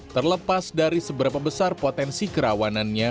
terlepas dari seberapa besar potensi kerawanannya